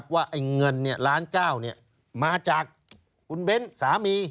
ว่าเงินล้านเก้ามาจากคุณเบ้นสามี